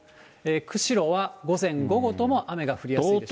釧路は午前、午後とも雨が降りやすいです。